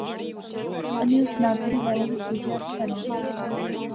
انی اس ناطے نے بارے چ بجیا تہ حیران ہوئی